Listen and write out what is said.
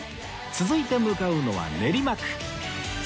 続いて向かうのは練馬区